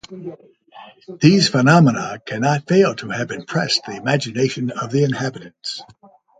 These phenomena cannot fail to have impressed the imagination of the inhabitants.